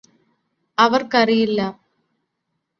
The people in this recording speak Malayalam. അവർക്കറിയില്ലാ